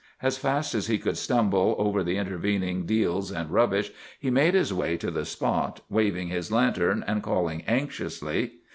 As fast as he could stumble over the intervening deals and rubbish he made his way to the spot, waving his lantern and calling anxiously.